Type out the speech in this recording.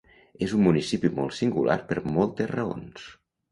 És un municipi molt singular per moltes raons.